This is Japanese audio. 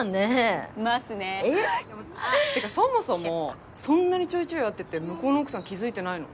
ますねえっ？ってかそもそもそんなにちょいちょい会ってて向こうの奥さん気付いてないの？